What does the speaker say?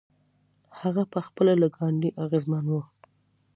هغه پخپله له ګاندي اغېزمن و.